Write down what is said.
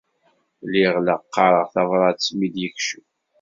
Lliɣ la qqareɣ tabṛat mi d-yekcem.